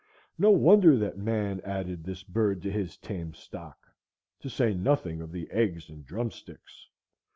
No wonder that man added this bird to his tame stock,—to say nothing of the eggs and drumsticks.